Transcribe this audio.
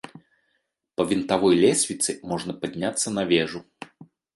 Па вінтавой лесвіцы можна падняцца на вежу.